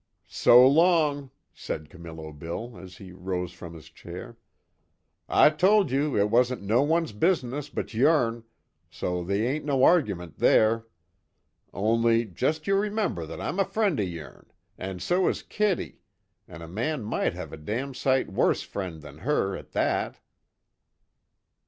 "So long," said Camillo Bill as he rose from his chair. "I told you it wasn't no one's business but yourn, so they ain't no argyment there. Only, jest you remember that I'm a friend of yourn, an' so is Kitty an' a man might have a damn sight worse friend than her, at that."